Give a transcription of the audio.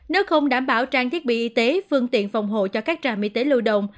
nếu không đảm bảo trang thiết bị y tế phương tiện phòng hộ cho các trạm y tế lưu động